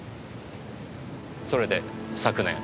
それで昨年。